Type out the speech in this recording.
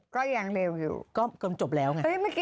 ก็ยังเร็วอยู่ก็จบแล้วไง